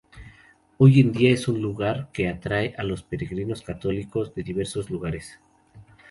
Hoy en día es un lugar que atrae a peregrinos católicos de diversos lugares.